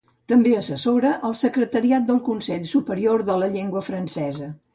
També assessora el secretariat del Consell Superior de la Llengua Francesa.